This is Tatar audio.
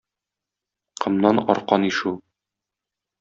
Комнан аркан ишү.